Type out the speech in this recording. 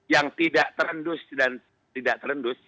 yang tidak terendus dan tidak terendus